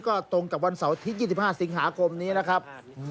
ก็ตรงกับวันเสาร์ที่๒๕สิงหาคมนี้นะครับ